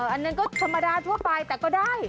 อันนั้นก็ธรรมดาทั่วไปแต่ก็ได้